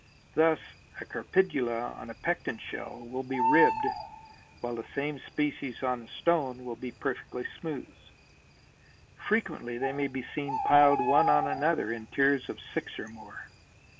Thus a Crepidula on a Pecten shell will be ribbed while the same species on a stone will be perfectly smooth. Frequently they may be seen piled one upon another in tiers of six or more.